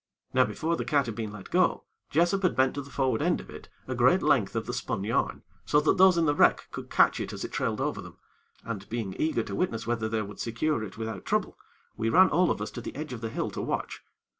Now, before the kite had been let go, Jessop had bent to the forward end of it a great length of the spun yarn, so that those in the wreck could catch it as it trailed over them, and, being eager to witness whether they would secure it without trouble, we ran all of us to the edge of the hill to watch.